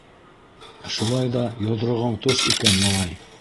Шулай ҙа йоҙроғоң тос икән, малай.